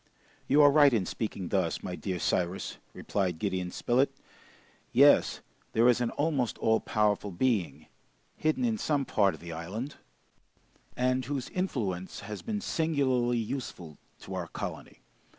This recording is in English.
"You are right in speaking thus, my dear Cyrus," replied Gideon Spilett. "Yes, there is an almost all powerful being, hidden in some part of the island, and whose influence has been singularly useful to our colony.